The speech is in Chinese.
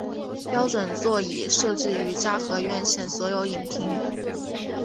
标准座椅设置于嘉禾院线所有影厅。